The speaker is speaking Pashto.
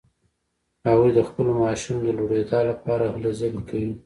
هغوی د خپلو معاشونو د لوړیدا لپاره هلې ځلې کوي.